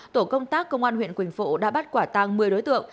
tổ công tác công an huyện quỳnh phụ đã bắt quả tăng một mươi đối tượng